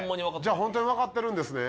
ほんとに分かってるんですね。